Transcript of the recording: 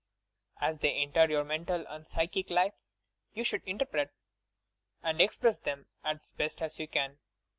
As they enter your mental and psychic life you should interpret and express them as best you can."